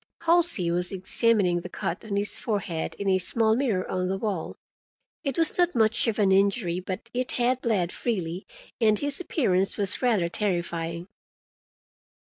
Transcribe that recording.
Halsey was examining the cut on his forehead in a small mirror on the wall. It was not much of an injury, but it had bled freely, and his appearance was rather terrifying.